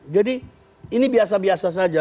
ini biasa biasa saja